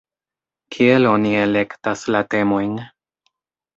Kiel oni elektas la temojn?